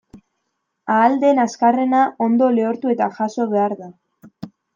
Ahal den azkarrena ondo lehortu eta jaso behar da.